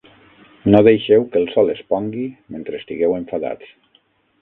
No deixeu que el sol es pongui mentre estigueu enfadats.